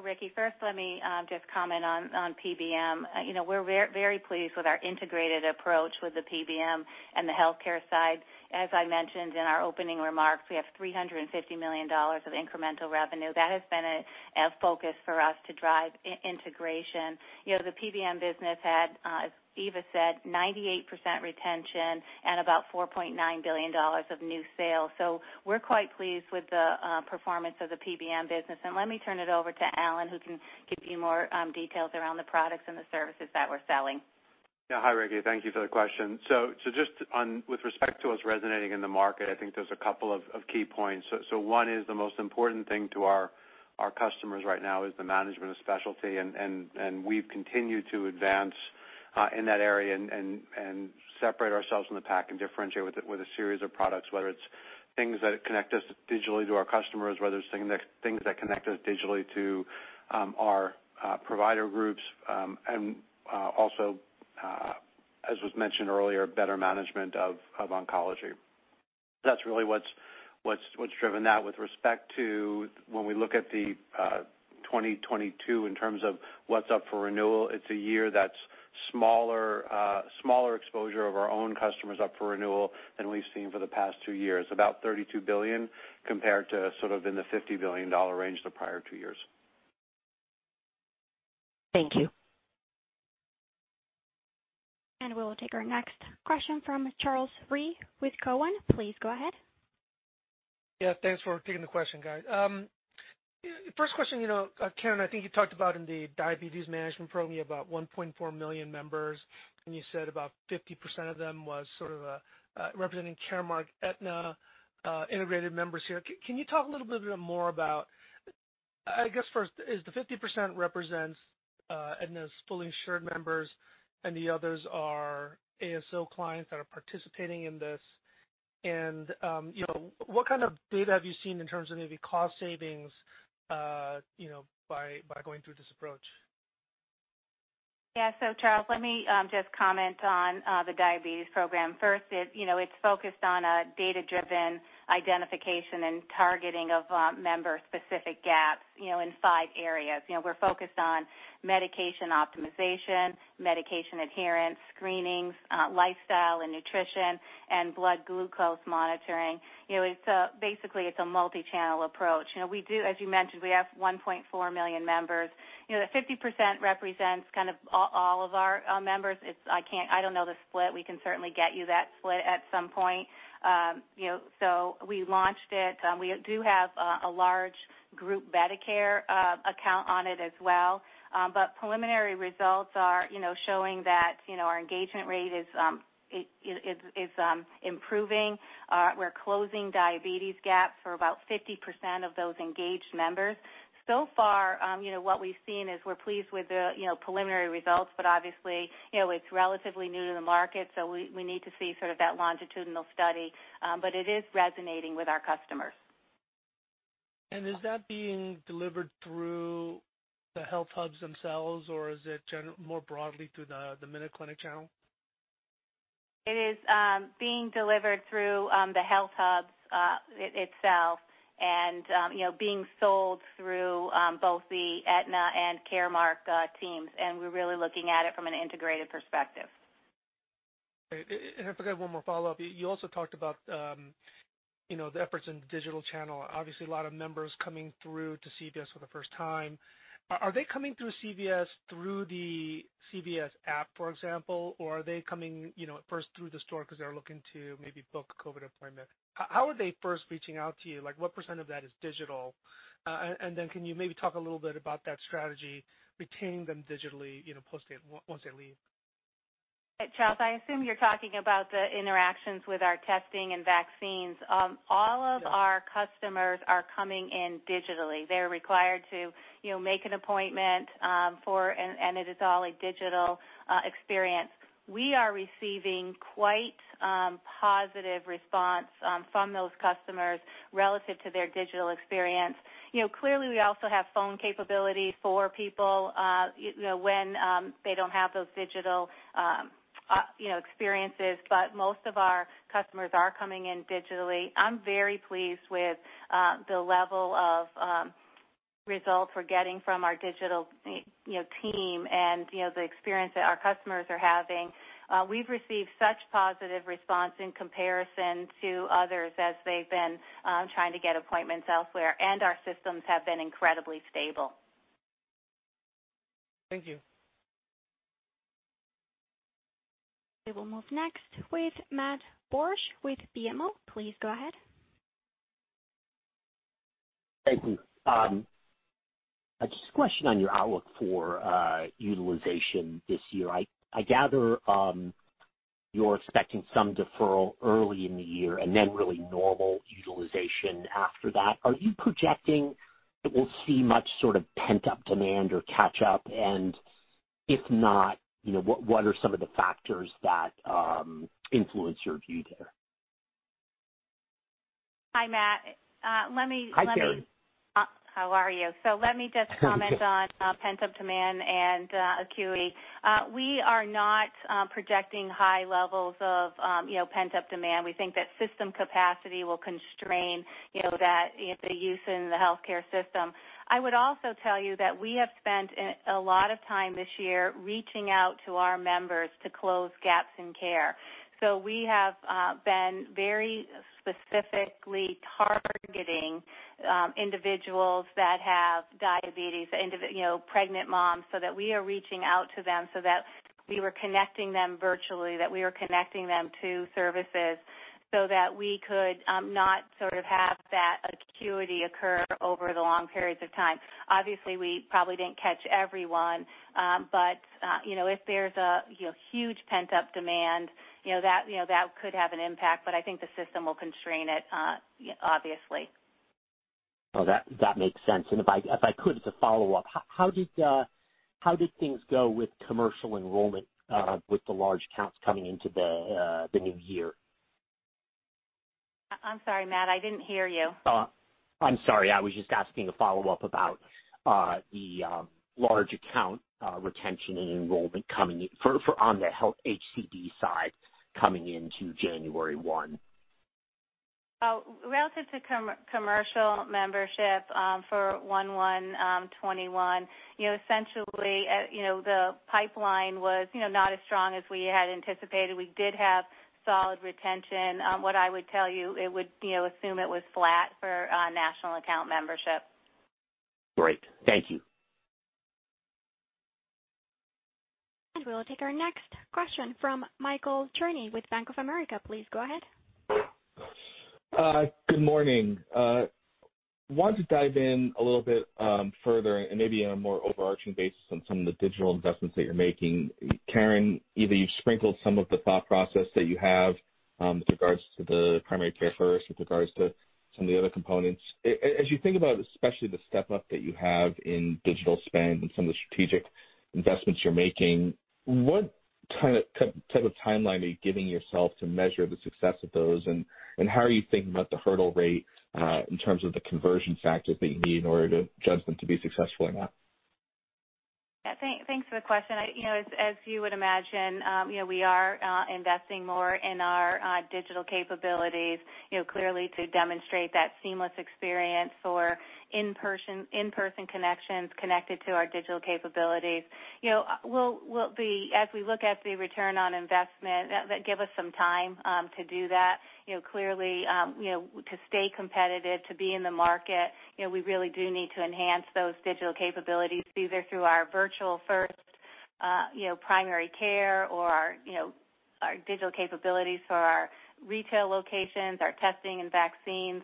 Ricky, first let me just comment on PBM. We're very pleased with our integrated approach with the PBM and the healthcare side. As I mentioned in our opening remarks, we have $350 million of incremental revenue. That has been a focus for us to drive integration. The PBM business had, as Eva said, 98% retention and about $4.9 billion of new sales. We're quite pleased with the performance of the PBM business. Let me turn it over to Alan, who can give you more details around the products and the services that we're selling. Yeah. Hi, Ricky. Thank you for the question. Just with respect to what's resonating in the market, I think there's a couple of key points. One is the most important thing to our customers right now is the management of specialty, and we've continued to advance in that area and separate ourselves from the pack and differentiate with a series of products, whether it's things that connect us digitally to our customers, whether it's things that connect us digitally to our provider groups. Also, as was mentioned earlier, better management of oncology. That's really what's driven that. With respect to when we look at the 2022 in terms of what's up for renewal, it's a year that's smaller exposure of our own customers up for renewal than we've seen for the past two years. About $32 billion compared to sort of in the $50 billion range the prior two years. Thank you. We will take our next question from Charles Rhyee with Cowen. Please go ahead. Yeah, thanks for taking the question, guys. First question, Karen, I think you talked about in the diabetes management program, you have about 1.4 million members, and you said about 50% of them was sort of representing Caremark Aetna integrated members here. Can you talk a little bit more about, I guess first is the 50% represents Aetna's fully insured members, and the others are ASO clients that are participating in this? What kind of data have you seen in terms of maybe cost savings by going through this approach? Yeah. Charles, let me just comment on the Diabetes Program first. It's focused on a data-driven identification and targeting of member-specific gaps in five areas. We're focused on medication optimization, medication adherence, screenings, lifestyle and nutrition, and blood glucose monitoring. Basically, it's a multi-channel approach. As you mentioned, we have 1.4 million members. The 50% represents kind of all of our members. I don't know the split. We can certainly get you that split at some point. We launched it. We do have a large group Medicare account on it as well. Preliminary results are showing that our engagement rate is improving. We're closing diabetes gaps for about 50% of those engaged members. So far, what we've seen is we're pleased with the preliminary results, but obviously, it's relatively new to the market, so we need to see sort of that longitudinal study. It is resonating with our customers. Is that being delivered through the HealthHUBs themselves, or is it more broadly through the MinuteClinic channel? It is being delivered through the HealthHUBs itself and being sold through both the Aetna and Caremark teams, and we're really looking at it from an integrated perspective. If I could have one more follow-up. You also talked about the efforts in the digital channel. Obviously, a lot of members coming through to CVS for the first time. Are they coming through CVS through the CVS app, for example, or are they coming first through the store because they're looking to maybe book a COVID appointment? How are they first reaching out to you? What % of that is digital? Can you maybe talk a little bit about that strategy, retain them digitally, once they leave? Charles, I assume you're talking about the interactions with our testing and vaccines. All of our customers are coming in digitally. They're required to make an appointment, and it is all a digital experience. We are receiving quite positive response from those customers relative to their digital experience. Clearly, we also have phone capability for people when they don't have those digital experiences, but most of our customers are coming in digitally. I'm very pleased with the level of results we're getting from our digital team and the experience that our customers are having. We've received such positive response in comparison to others as they've been trying to get appointments elsewhere, and our systems have been incredibly stable. Thank you. We will move next with Matt Borsch with BMO. Please go ahead. Thank you. Just a question on your outlook for utilization this year. I gather you're expecting some deferral early in the year and then really normal utilization after that. Are you projecting that we'll see much sort of pent-up demand or catch up? If not, what are some of the factors that influence your view there? Hi, Matt. Hi, Karen. How are you? Let me just comment on pent-up demand and acuity. We are not projecting high levels of pent-up demand. We think that system capacity will constrain the use in the healthcare system. I would also tell you that we have spent a lot of time this year reaching out to our members to close gaps in care. We have been very specifically targeting individuals that have diabetes, pregnant moms, so that we are reaching out to them so that we were connecting them virtually, that we were connecting them to services so that we could not sort of have that acuity occur over the long periods of time. Obviously, we probably didn't catch everyone. If there's a huge pent-up demand, that could have an impact, but I think the system will constrain it, obviously. Well, that makes sense. If I could, as a follow-up, how did things go with commercial enrollment with the large accounts coming into the new year? I'm sorry, Matt, I didn't hear you. I'm sorry. I was just asking a follow-up about the large account retention and enrollment on the HCB side coming into January 1. Relative to commercial membership for 1/1/2021, essentially, the pipeline was not as strong as we had anticipated. We did have solid retention. What I would tell you, assume it was flat for national account membership. Great. Thank you. We will take our next question from Michael Cherny with Bank of America. Please go ahead. Good morning. Wanted to dive in a little bit further and maybe on a more overarching basis on some of the digital investments that you're making. Karen, either you sprinkled some of the thought process that you have with regards to the primary care first, with regards to some of the other components. As you think about especially the step-up that you have in digital spend and some of the strategic investments you're making, what type of timeline are you giving yourself to measure the success of those, and how are you thinking about the hurdle rate, in terms of the conversion factors that you need in order to judge them to be successful or not? Yeah, thanks for the question. As you would imagine, we are investing more in our digital capabilities, clearly to demonstrate that seamless experience for in-person connections connected to our digital capabilities. As we look at the return on investment, give us some time to do that. Clearly, to stay competitive, to be in the market, we really do need to enhance those digital capabilities, either through our virtual first primary care or our digital capabilities for our retail locations, our testing, and vaccines.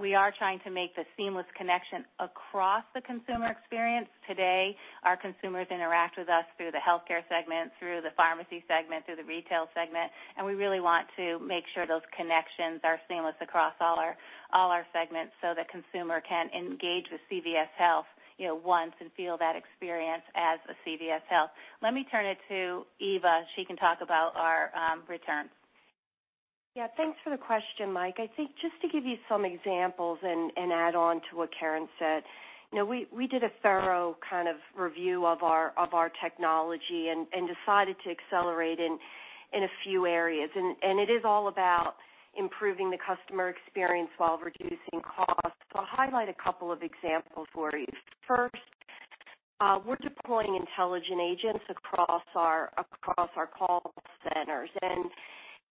We are trying to make the seamless connection across the consumer experience. Today, our consumers interact with us through the healthcare segment, through the pharmacy segment, through the retail segment, and we really want to make sure those connections are seamless across all our segments so the consumer can engage with CVS Health once and feel that experience as a CVS Health. Let me turn it to Eva. She can talk about our returns. Yeah. Thanks for the question, Michael. I think just to give you some examples and add on to what Karen said, we did a thorough kind of review of our technology and decided to accelerate in a few areas, and it is all about improving the customer experience while reducing costs. I'll highlight a couple of examples for you. First, we're deploying intelligent agents across our call centers,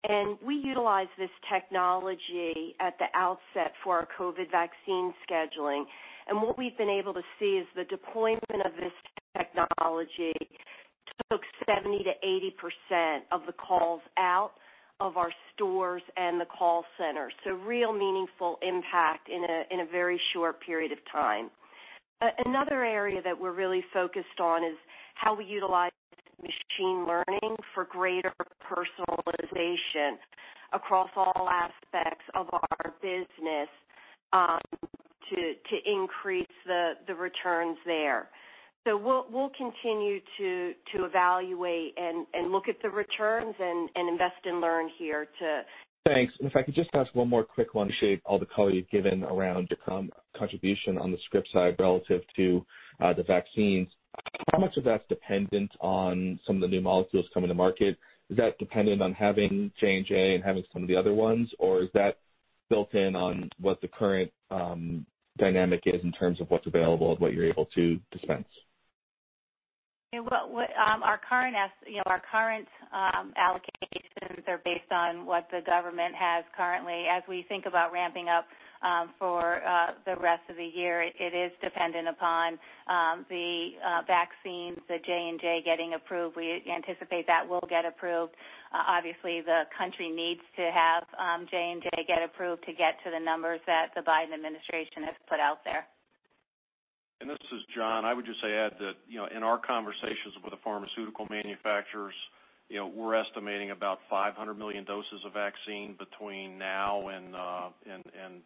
and we utilized this technology at the outset for our COVID vaccine scheduling. What we've been able to see is the deployment of this technology took 70%-80% of the calls out of our stores and the call center. Real meaningful impact in a very short period of time. Another area that we're really focused on is how we utilize machine learning for greater personalization across all aspects of our business to increase the returns there. We'll continue to evaluate and look at the returns and invest and learn here to. Thanks. If I could just ask one more quick one. Appreciate all the color you've given around contribution on the script side relative to the vaccines. How much of that's dependent on some of the new molecules coming to market? Is that dependent on having J&J and having some of the other ones, or is that built-in on what the current dynamic is in terms of what's available and what you're able to dispense? Our current allocations are based on what the government has currently. As we think about ramping up for the rest of the year, it is dependent upon the vaccines, the J&J getting approved. We anticipate that will get approved. Obviously, the country needs to have J&J get approved to get to the numbers that the Biden administration has put out there. This is Jon. I would just add that, in our conversations with the pharmaceutical manufacturers, we're estimating about 500 million doses of vaccine between now and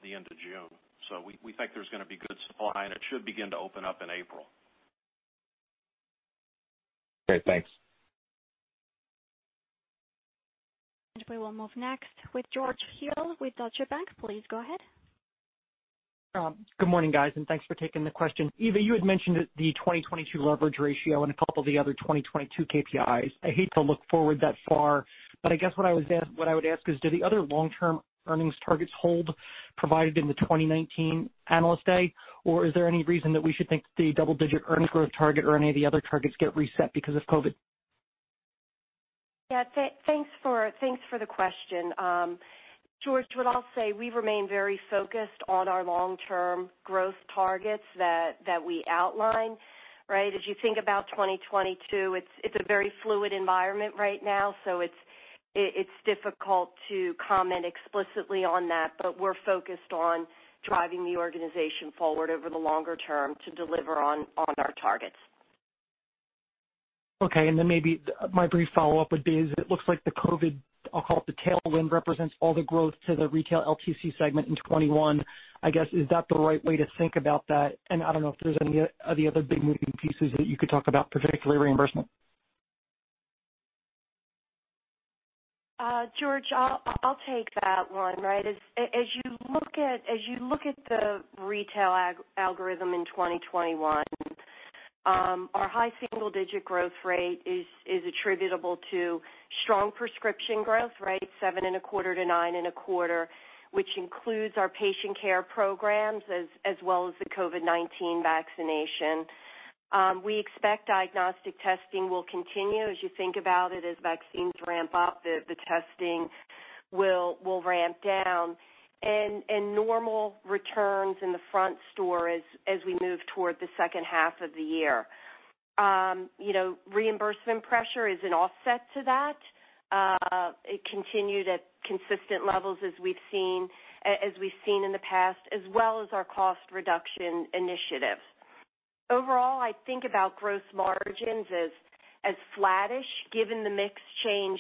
the end of June. We think there's going to be good supply, and it should begin to open up in April. Great. Thanks. We will move next with George Hill with Deutsche Bank. Please go ahead. Good morning, guys, and thanks for taking the question. Eva, you had mentioned the 2022 leverage ratio and a couple of the other 2022 KPIs. I hate to look forward that far, I guess what I would ask is, do the other long-term earnings targets hold provided in the 2019 Analyst Day, or is there any reason that we should think the double-digit earning growth target or any of the other targets get reset because of COVID? Yeah. Thanks for the question. George, what I'll say, we remain very focused on our long-term growth targets that we outlined. Right? As you think about 2022, it's a very fluid environment right now, so it's difficult to comment explicitly on that, but we're focused on driving the organization forward over the longer term to deliver on our targets. Okay. Maybe my brief follow-up would be, is it looks like the COVID, I'll call it the tailwind, represents all the growth to the retail LTC segment in 2021. I guess, is that the right way to think about that? I don't know if there are any other big moving pieces that you could talk about particularly reimbursement. George, I'll take that one. Right. As you look at the retail algorithm in 2021. Our high single-digit growth rate is attributable to strong prescription growth, 7.25% to 9.25%, which includes our patient care programs as well as the COVID-19 vaccination. We expect diagnostic testing will continue. As you think about it, as vaccines ramp up, the testing will ramp down, and normal returns in the front store as we move toward the second half of the year. Reimbursement pressure is an offset to that. It continued at consistent levels as we've seen in the past, as well as our cost reduction initiatives. Overall, I think about gross margins as flattish, given the mix change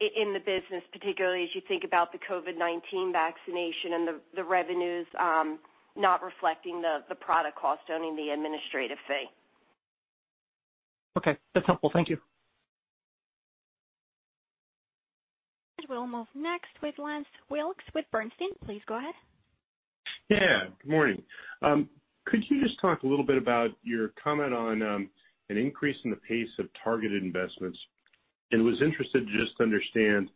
in the business, particularly as you think about the COVID-19 vaccination and the revenues not reflecting the product cost, only the administrative fee. Okay. That's helpful. Thank you. We'll move next with Lance Wilkes with Bernstein. Please go ahead. Yeah. Good morning. Could you just talk a little bit about your comment on an increase in the pace of targeted investments, and was interested just to understand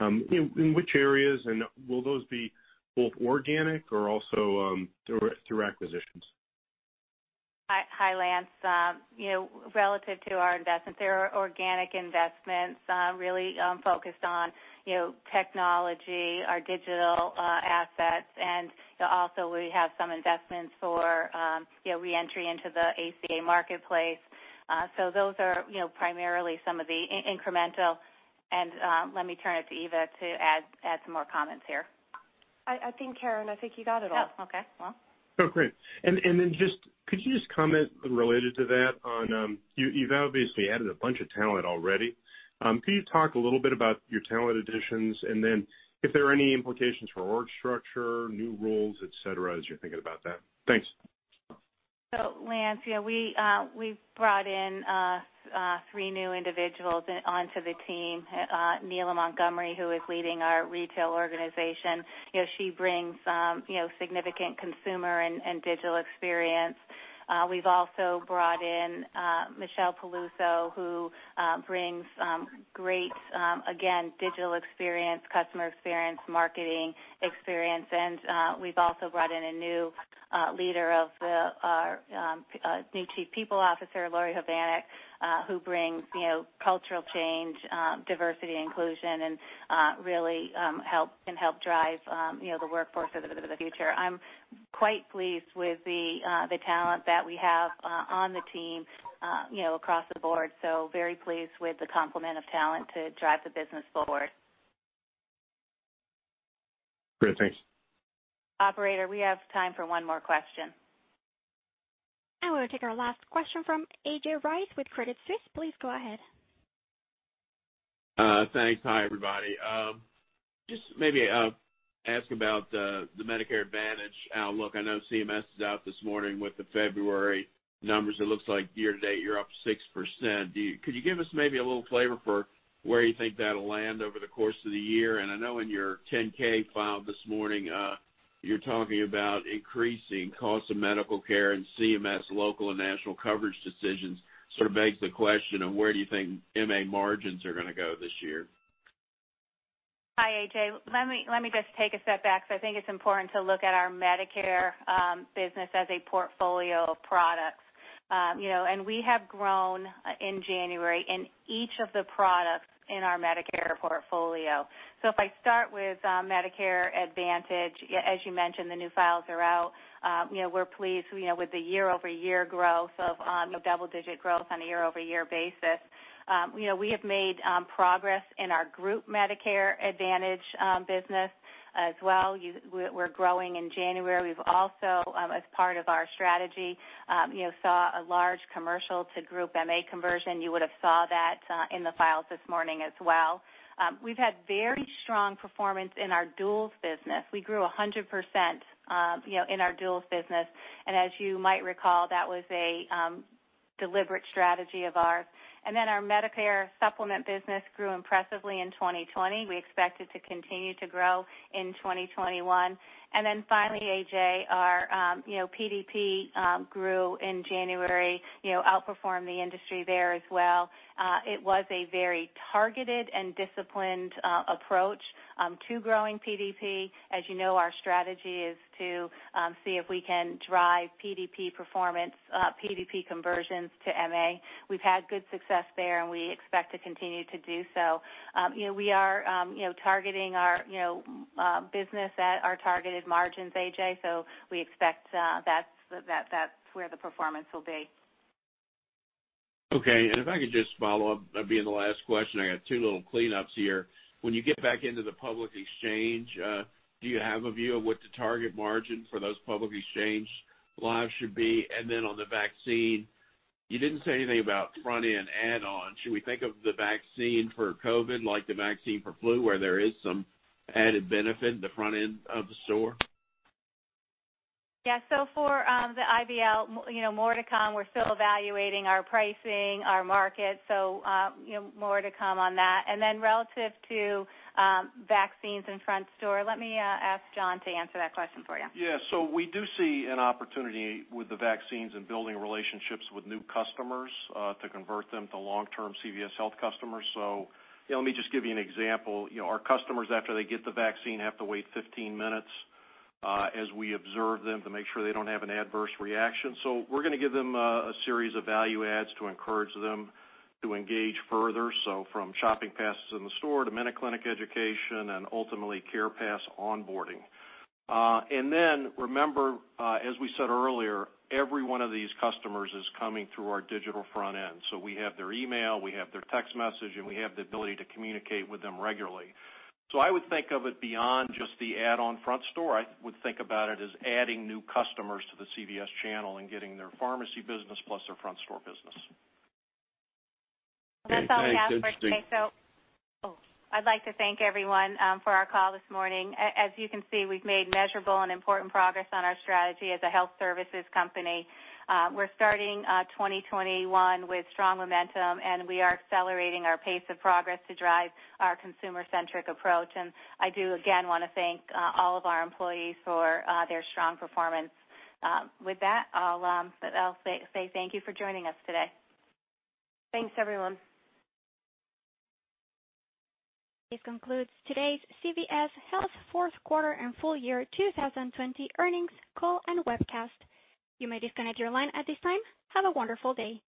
in which areas, and will those be both organic or also through acquisitions? Hi, Lance. Relative to our investments, they are organic investments really focused on technology, our digital assets, and also we have some investments for re-entry into the ACA marketplace. Those are primarily some of the incremental, and let me turn it to Eva to add some more comments here. I think, Karen, I think you got it all. Oh, okay. Well. Oh, great. Could you just comment related to that on, you've obviously added a bunch of talent already. Can you talk a little bit about your talent additions and then if there are any implications for org structure, new roles, et cetera, as you're thinking about that? Thanks. Lance, yeah, we've brought in three new individuals onto the team. Neela Montgomery, who is leading our retail organization. She brings significant consumer and digital experience. We've also brought in Michelle Peluso, who brings great, again, digital experience, customer experience, marketing experience. We've also brought in a new Chief People Officer, Laurie Havanec, who brings cultural change, diversity, inclusion, and really can help drive the workforce of the future. I'm quite pleased with the talent that we have on the team across the board. Very pleased with the complement of talent to drive the business forward. Great. Thanks. Operator, we have time for one more question. I want to take our last question from AJ Rice with Credit Suisse. Please go ahead. Thanks. Hi, everybody. Just maybe ask about the Medicare Advantage outlook. I know CMS is out this morning with the February numbers. It looks like year-to-date you're up 6%. Could you give us maybe a little flavor for where you think that'll land over the course of the year? I know in your 10-K filed this morning, you're talking about increasing costs of medical care and CMS local and national coverage decisions. Sort of begs the question of where do you think MA margins are going to go this year? Hi, AJ. Let me just take a step back because I think it's important to look at our Medicare business as a portfolio of products. We have grown in January in each of the products in our Medicare portfolio. If I start with Medicare Advantage, as you mentioned, the new files are out. We're pleased with the year-over-year growth of double-digit growth on a year-over-year basis. We have made progress in our group Medicare Advantage business as well. We're growing in January. We've also, as part of our strategy, saw a large commercial to group MA conversion. You would've saw that in the files this morning as well. We've had very strong performance in our duals business. We grew 100% in our duals business. As you might recall, that was a deliberate strategy of ours. Our Medicare Supplement business grew impressively in 2020. We expect it to continue to grow in 2021. Finally, AJ, our PDP grew in January, outperformed the industry there as well. It was a very targeted and disciplined approach to growing PDP. As you know, our strategy is to see if we can drive PDP performance, PDP conversions to MA. We've had good success there, and we expect to continue to do so. We are targeting our business at our targeted margins, AJ we expect that's where the performance will be. Okay. If I could just follow up, that'd be the last question. I got two little cleanups here. When you get back into the public exchange, do you have a view of what the target margin for those public exchange lives should be? Then on the vaccine, you didn't say anything about front-end add on. Should we think of the vaccine for COVID like the vaccine for flu, where there is some added benefit in the front end of the store? Yeah. For the IVL, more to come. We're still evaluating our pricing, our market. More to come on that. Relative to vaccines in front store, let me ask Jon to answer that question for you. We do see an opportunity with the vaccines in building relationships with new customers to convert them to long-term CVS Health customers. Let me just give you an example. Our customers, after they get the vaccine, have to wait 15 minutes as we observe them to make sure they don't have an adverse reaction. We're going to give them a series of value adds to encourage them to engage further. From Shopping Passes in the store to MinuteClinic education and ultimately CarePass onboarding. Remember, as we said earlier, every one of these customers is coming through our digital front end. We have their email, we have their text message, and we have the ability to communicate with them regularly. I would think of it beyond just the add-on front store. I would think about it as adding new customers to the CVS channel and getting their pharmacy business plus their front store business. That's all we have for today. Thanks. Interesting. I'd like to thank everyone for our call this morning. As you can see, we've made measurable and important progress on our strategy as a health services company. We're starting 2021 with strong momentum, and we are accelerating our pace of progress to drive our consumer-centric approach. I do, again, want to thank all of our employees for their strong performance. With that, I'll say thank you for joining us today. Thanks, everyone. This concludes today's CVS Health fourth quarter and full-year 2020 earnings call and webcast. You may disconnect your line at this time. Have a wonderful day.